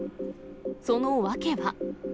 その訳は。